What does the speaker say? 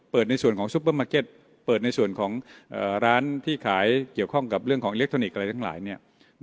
ในส่วนของซุปเปอร์มาร์เก็ตเปิดในส่วนของร้านที่ขายเกี่ยวข้องกับเรื่องของอิเล็กทรอนิกส์อะไรทั้งหลาย